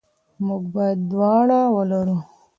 موږ باید دواړه ولرو.